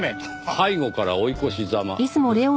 背後から追い越しざまですか。